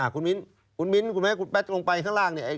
คุณมิ้นคุณแพทย์ลงไปข้างล่าง